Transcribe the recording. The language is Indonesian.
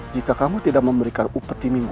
jika kamu tidak memberikan upetimu anku